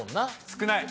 少ない！